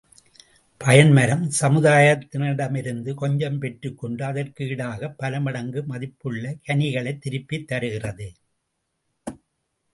பயன் மரம், சமுதாயத்தினிடமிருந்து கொஞ்சம் பெற்றுக் கொண்டு அதற்கு ஈடாகப் பல மடங்கு மதிப்புள்ள கனிகளைத் திருப்பித் தருகிறது.